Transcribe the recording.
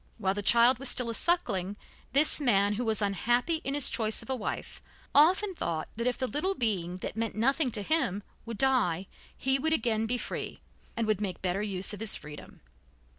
While the child was still a suckling, this man, who was unhappy in his choice of a wife, often thought that if the little being that meant nothing to him would die, he would again be free, and would make better use of his freedom.